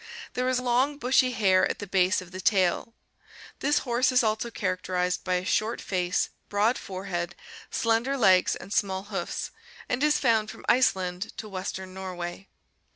There is long bushy hair at the base of the tail. This horse is also characterized by a short face, broad forehead, slender legs, and small hoofs, and is found from Iceland to western Norway.